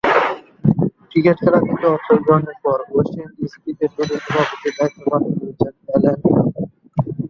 Cricket খেলা থেকে অবসর গ্রহণের পর ওয়েস্ট ইন্ডিজ ক্রিকেট বোর্ডের সভাপতির দায়িত্ব পালন করেছেন অ্যালান রে।